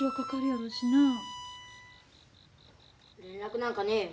連絡なんかねえよ。